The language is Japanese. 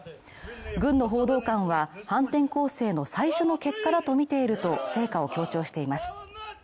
軍の報道官は反転攻勢の最初の結果だと見ていると成果を強調しています。